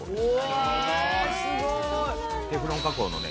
テフロン加工のね